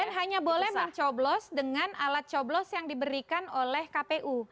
dan hanya boleh mencoblos dengan alat coblos yang diberikan oleh kpu